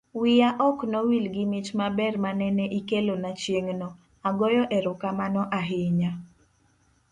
wiya ok no wil gi mich maber manene ikelona chieng'no. agoyo erokamano ahinya